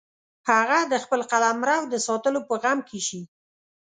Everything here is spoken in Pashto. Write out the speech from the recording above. هغه د خپل قلمرو د ساتلو په غم کې شي.